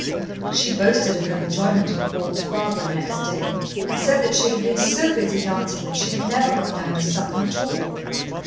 She boasted of her enjoyment of the ball to Barbara next day, and said that she had been so busy dancing that she had never gone down to supper at all.